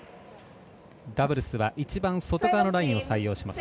ダブルスは一番外側のラインを採用します。